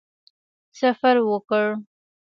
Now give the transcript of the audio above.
سفر وکړ.